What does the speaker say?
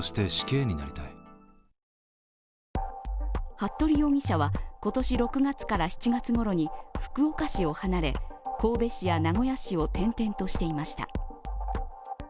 服部容疑者は、今年６月から７月ごろに福岡市を離れ神戸市や名古屋市を転々としていました。